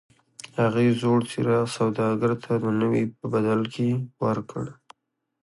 هغې زوړ څراغ سوداګر ته د نوي په بدل کې ورکړ.